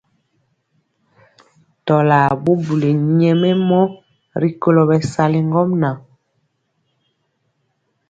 Tɔlar bubuli nyɛmemɔ rikolo bɛsali ŋgomnaŋ.